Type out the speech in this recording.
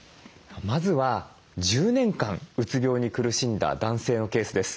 まずは１０年間うつ病に苦しんだ男性のケースです。